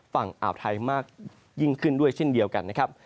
ฝั่งอ่าวไทยมากยิ่งขึ้นด้วยเช่นเดียวกันนะครับ